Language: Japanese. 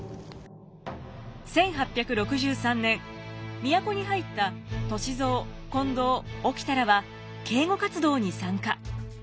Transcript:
１８６３年都に入った歳三近藤沖田らは警護活動に参加。